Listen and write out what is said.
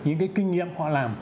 những cái kinh nghiệm họ làm